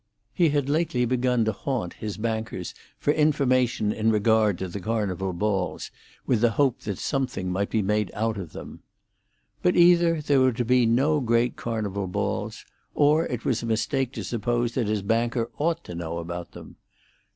He had lately begun to haunt his banker's for information in regard to the Carnival balls, with the hope that something might be made out of them. But either there were to be no great Carnival balls, or it was a mistake to suppose that his banker ought to know about them.